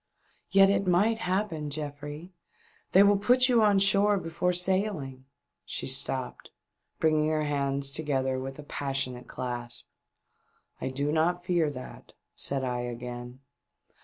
" Yet it might happen, Geoffrey ! They will put you on shore before sailing " She stopped, bringing her hands together with ix passionate clasp. " I do not fear that," said I again.